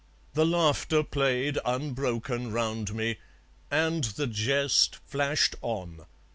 The laughter played Unbroken round me; and the jest Flashed on.